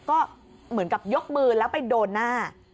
ก็เหมือนกับยกมือแล้วไปโดนหน้า